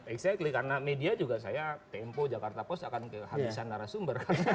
exactly karena media juga saya tempo jakarta post akan kehabisan narasumber